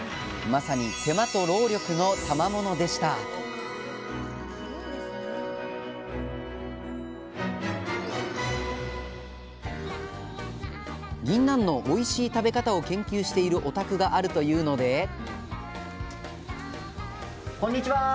まさに手間と労力のたまものでしたぎんなんのおいしい食べ方を研究しているお宅があるというのでこんにちは。